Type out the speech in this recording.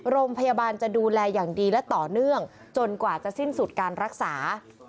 โรงพยาบาลจะดูแลอย่างดีและต่อเนื่องจนกว่าจะสิ้นสุดการรักษา